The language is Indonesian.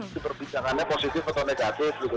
diperbincangannya positif atau negatif gitu